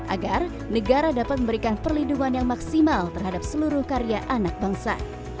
agar negara dapat memberikan perlindungan yang maksimal terhadap seluruh karya anak bangsa